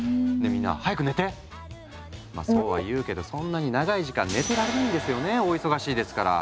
みんなまあそうは言うけどそんなに長い時間寝てられないんですよねお忙しいですから。